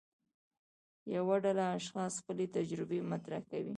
یوه ډله اشخاص خپلې تجربې مطرح کوي.